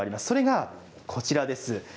それがこちらです。